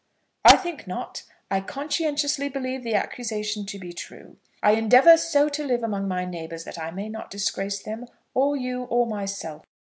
"I think not. I conscientiously believe the accusation to be true. I endeavour so to live among my neighbours that I may not disgrace them, or you, or myself.